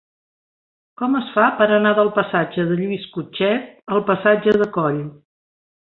Com es fa per anar del passatge de Lluís Cutchet al passatge de Coll?